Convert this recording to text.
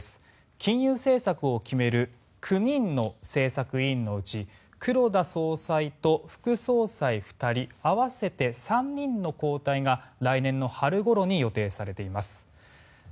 金融政策を決める９人の政策委員のうち黒田総裁と副総裁２人合わせて３人の交代が来年の春ごろに予定されています。